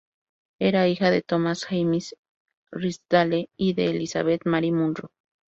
Era hija de Thomas James Drysdale y de Elisabeth Mary Munro.